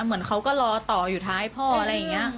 เหมือนเขาก็รอต่ออยู่ท้ายพ่ออะไรอย่างนี้